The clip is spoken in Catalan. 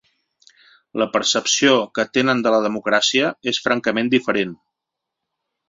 La percepció que tenen de la democràcia és francament diferent.